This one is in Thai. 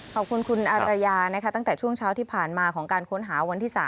ขอบคุณคุณอารยานะคะตั้งแต่ช่วงเช้าที่ผ่านมาของการค้นหาวันที่๓